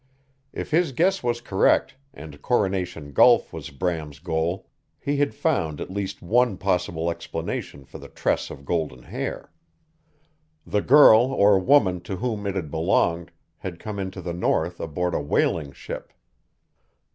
If his guess was correct, and Coronation Gulf was Bram's goal, he had found at least one possible explanation for the tress of golden hair. The girl or woman to whom it had belonged had come into the north aboard a whaling ship.